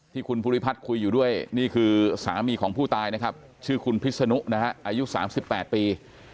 ที่คุณภูริพัฒน์คุยอยู่ด้วยนี่คือสามีของผู้ตายนะครับชื่อคุณพิษนุนะฮะอายุ๓๘ปี